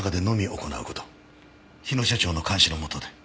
日野所長の監視の下で。